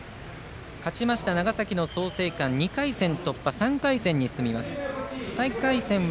勝ちました、長崎の創成館２回戦突破で３回戦に進みます。